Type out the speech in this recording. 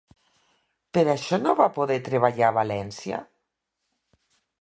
Per això no va poder treballar a València?